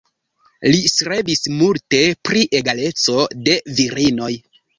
Li strebis multe pri egaleco de virinoj.